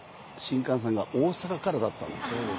新幹線が大阪からだったんですよ。